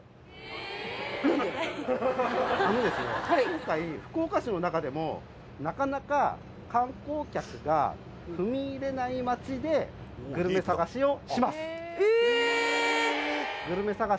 今回福岡市の中でもなかなか観光客が踏み入れない町でグルメ探しをします